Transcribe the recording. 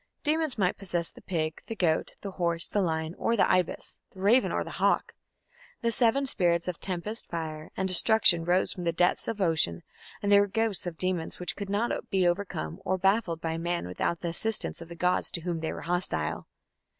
Demons might possess the pig, the goat, the horse, the lion, or the ibis, the raven, or the hawk. The seven spirits of tempest, fire, and destruction rose from the depths of ocean, and there were hosts of demons which could not be overcome or baffled by man without the assistance of the gods to whom they were hostile.